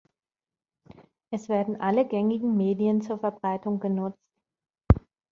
Es werden alle gängigen Medien zur Verbreitung genutzt.